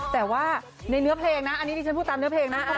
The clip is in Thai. แต่ว่าในเนื้อเพลงนะอันนี้ที่ฉันพูดตามเนื้อเพลงนะ